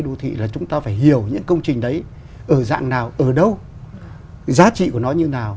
những công trình đấy ở dạng nào ở đâu giá trị của nó như nào